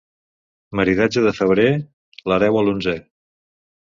Maridatge de febrer, hereu a l'onzè.